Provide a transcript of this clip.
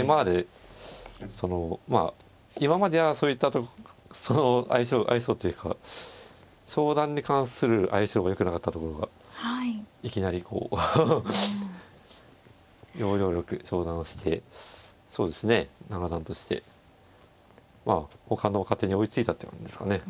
今までそのまあ今まではそういった相性というか昇段に関する相性がよくなかったところがいきなりこう要領よく昇段をしてそうですね七段としてまあほかの若手に追いついたっていう感じですかね。